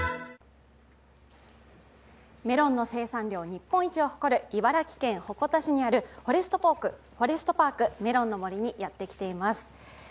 日本一を誇る茨城県鉾田市にあるフォレストパークメロンの森にやってきています。